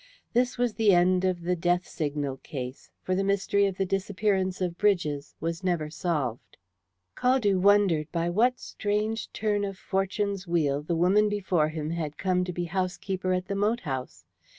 This was the end of "The Death Signal Case," for the mystery of the disappearance of Bridges was never solved. Caldew wondered by what strange turn of Fortune's wheel the woman before him had come to be housekeeper at the moat house.